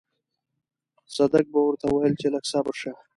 صدک به ورته ويل چې لږ صبر شه.